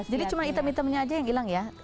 jadi cuma hitam hitamnya aja yang hilang ya